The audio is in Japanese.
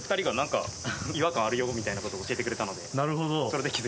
みたいなことを教えてくれたので。